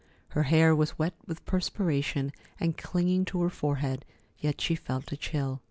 Her hair was wet with perspiration and clinging to her forehead, yet she felt a chill.